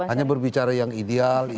hanya berbicara yang ideal